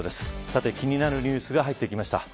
さて、気になるニュースが入ってきました。